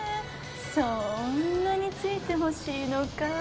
そんなに突いて欲しいのかい？